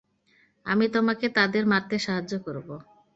আমি তোমাকে তাদের মারতে সাহায্য করব।